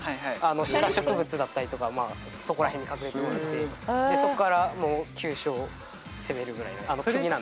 シダ植物だったりとかそこら辺に隠れてもらってそこから急所を攻めるぐらいな首なんですけど。